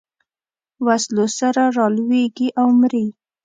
وسلو سره رالویېږي او مري.